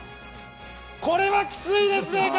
これはきついですね！